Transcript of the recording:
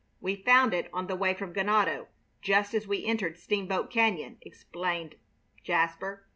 "We found it on the way from Ganado, just as we entered Steamboat Cañon," explained Jasper.